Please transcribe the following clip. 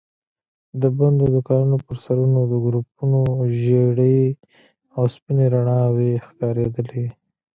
د بندو دوکانونو پر سرونو د ګروپونو ژېړې او سپينې رڼا وي ښکارېدلې.